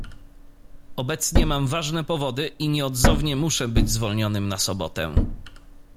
"Obecnie mam ważne powody i nieodzownie muszę być zwolnionym na sobotę."